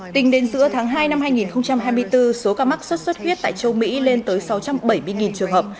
tính đến giữa tháng hai năm hai nghìn hai mươi bốn số ca mắc sốt xuất huyết tại châu mỹ lên tới sáu trăm bảy mươi trường hợp